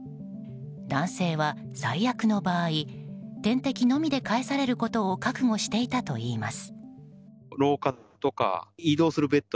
男性は、最悪の場合点滴のみで帰されることを覚悟していたといいます。